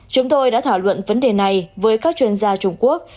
chúng tôi đã thảo luận vấn đề này với các chuyên gia trung quốc